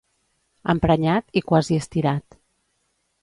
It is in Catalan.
Emprenyat i quasi estirat.